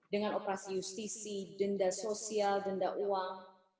dengan operasi justisi denda sosial denda uang